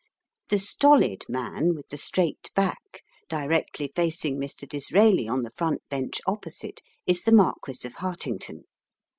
The stolid man with the straight back directly facing Mr Disraeli on the front bench opposite is the Marquis of Hartington.